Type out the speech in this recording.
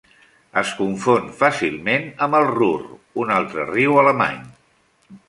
Es confon fàcilment amb el Ruhr, un altre riu alemany.